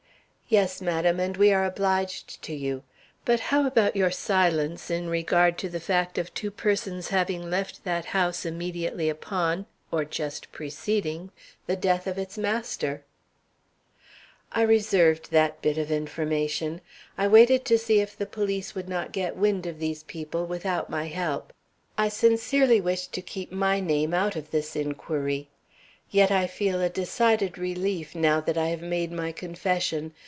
"Yes, madam; and we are obliged to you; but how about your silence in regard to the fact of two persons having left that house immediately upon, or just preceding, the death of its master?" "I reserved that bit of information. I waited to see if the police would not get wind of these people without my help. I sincerely wished to keep my name out of this inquiry. Yet I feel a decided relief now that I have made my confession.